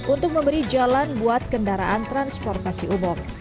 untuk memberi jalan buat kendaraan transportasi umum